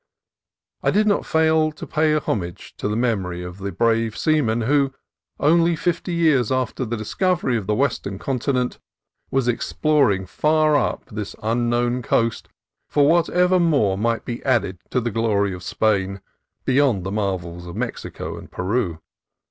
I did not fail to pay homage to the memory of the brave seaman who, only fifty years after the discovery of the Western continent, was exploring far up this unknown coast for what more might be added to the glory of Spain, beyond the marvels of Mexico and Peru.